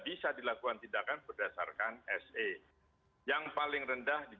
baik saya ke pak wu lagi